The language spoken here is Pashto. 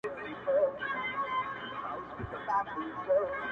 خپل شعرونه چاپ کړل -